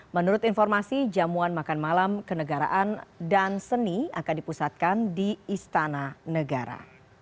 menurut informasi jamuan makan malam kenegaraan dan seni akan dipusatkan di istana negara